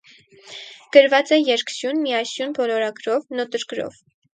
Գրված է երկսյուն, միասյուն, բոլորագրով, նոտրգրով։